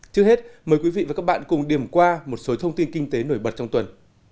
trước hết mời quý vị và các bạn cùng điểm qua một số thông tin kinh tế nổi bật trong tuần